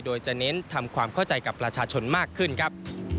โดยจะเน้นทำความเข้าใจกับประชาชนมากขึ้นครับ